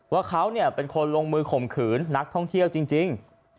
ว่าเขาเป็นคนลงมือข่มขืนนักท่องเที่ยวจริง